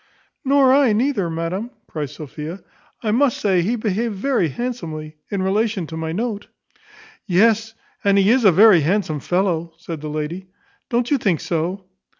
"Nor I neither, madam," cries Sophia. "I must say he behaved very handsomely in relation to my note." "Yes; and he is a very handsome fellow," said the lady: "don't you think so?"